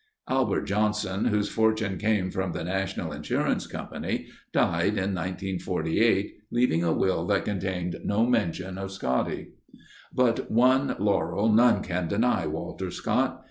Albert Johnson, whose fortune came from the National Insurance Company, died in 1948, leaving a will that contained no mention of Scotty. But one laurel none can deny Walter Scott.